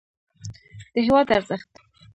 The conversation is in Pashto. د هېواد ارزښت